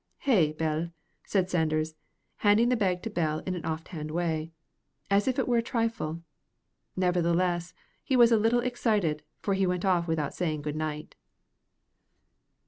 "Hae, Bell," said Sanders, handing the bag to Bell in an off hand way, as if it were but a trifle. Nevertheless, he was a little excited, for he went off without saying good night.